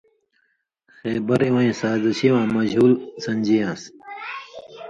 خېبر اِوَیں سازشی واں مژھُول سن٘دژیان٘س۔